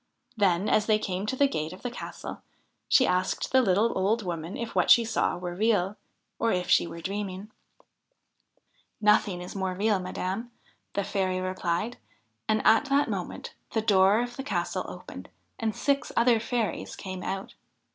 Then, as they came to the gate of the castle, she asked the little old woman if what she saw were real, or if she were dreaming ?' Nothing is more real, madam,' the fairy replied. And at that moment the door of the castle opened and six other fairies came out.